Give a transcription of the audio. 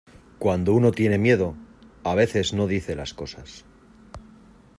cuando uno tiene miedo, a veces no dice las cosas